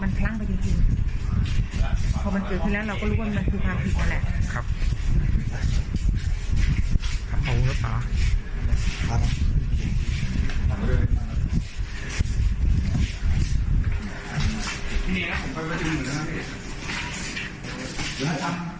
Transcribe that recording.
มันพลั่งไปจริงพอมันเกิดขึ้นแล้วเราก็รู้ว่ามันคือความผิดนั่นแหละ